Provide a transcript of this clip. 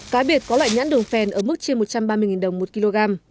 cá biệt có loại nhãn đường phèn ở mức trên một trăm ba mươi đồng một kg